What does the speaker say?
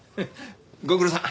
ご苦労さん。